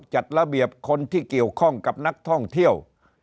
จัดระเบียบคนที่เกี่ยวข้องกับนักท่องเที่ยว